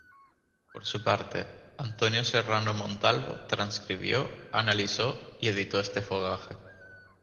Por su parte, Antonio Serrano Montalvo transcribió, analizó y editó este fogaje.